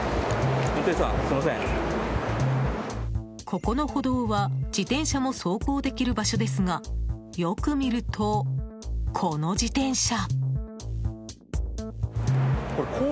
ここの歩道は自転車も走行できる場所ですがよく見ると、この自転車。